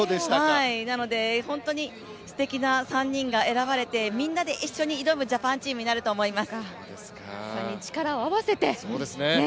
なので、本当にすてきな３人が選ばれて、みんなで一緒に挑むチームジャパンになると思います。